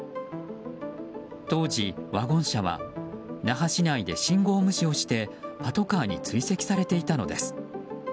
当時、ワゴン車は那覇市内で信号無視をしてパトカーに追跡されていたのです。